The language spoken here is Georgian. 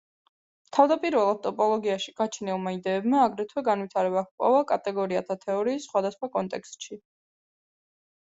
თავდაპირველად ტოპოლოგიაში გაჩენილმა იდეებმა აგრეთვე განვითარება ჰპოვა კატეგორიათა თეორიის სხვადასხვა კონტექსტში.